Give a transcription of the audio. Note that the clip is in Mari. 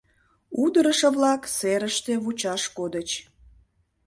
Удырышо-влак серыште вучаш кодыч.